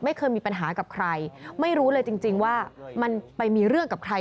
ไม่เคยมีปัญหากับใครไม่รู้เลยจริงว่ามันไปมีเรื่องกับใคร